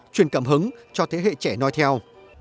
truyền cảm hứng cho thế hệ trẻ nói theo